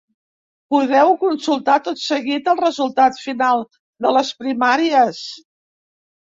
Podeu consultar tot seguit el resultat final de les primàries.